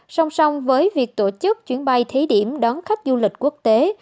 song song với việc tổ chức chuyến bay thí điểm đón khách du lịch quốc tế